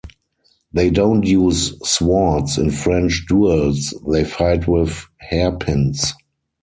They don't use swords in French duels, they fight with hairpins.